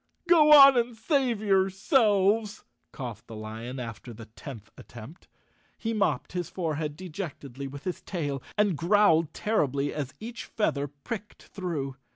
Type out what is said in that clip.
" Go on and save yourselves," coughed the lion after the tenth attempt. He mopped his forehead dejectedly with his tail, and growled terribly as each feather pricked through.